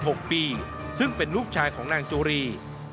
หกปีซึ่งเป็นลูกชายของนางจุรี